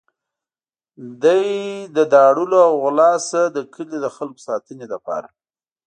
دی له داړلو او غلا نه د کلي د خلکو ساتنې لپاره.